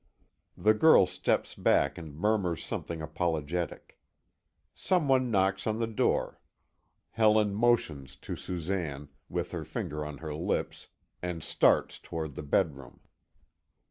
The girl steps back and murmurs something apologetic. Some one knocks on the door. Helen motions to Susanne, with her finger on her lips, and starts towards the bedroom.